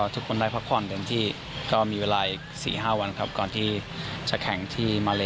ทุกคนได้พักผ่อนเต็มที่ก็มีเวลาอีก๔๕วันครับก่อนที่จะแข่งที่มาเล